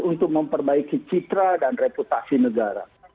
untuk memperbaiki citra dan reputasi negara